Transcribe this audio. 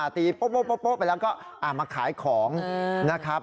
โป๊ะไปแล้วก็มาขายของนะครับ